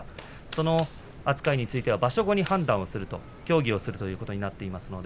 その扱いについては場所後に判断する協議をすることになっています。